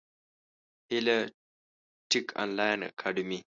هیله ټېک انلاین اکاډمي